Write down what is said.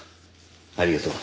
ありがとう。